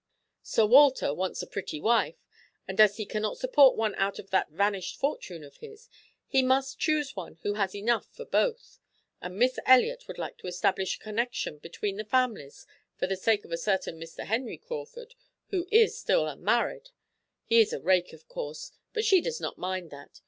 Sir Walter wants a pretty wife, and as he cannot support one out of that vanished fortune of his, he must choose one who has enough for both. And Miss Elliot would like to establish a connection between the families for the sake of a certain Mr. Henry Crawford, who is still unmarried he is a rake, of course, but she does not mind that.